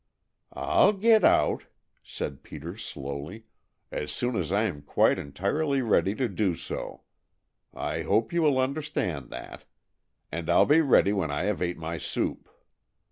"I'll get out," said Peter slowly, "as soon as I am quite entirely ready to do so. I hope you will understand that. And I'll be ready when I have ate my soup."